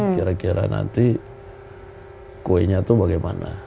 kira kira nanti kuenya itu bagaimana